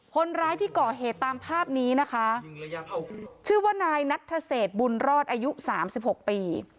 คนร้ายที่ก่อเหตุตามภาพนี้นะคะชื่อว่านายนัทเศษบุญรอดอายุสามสิบหกปี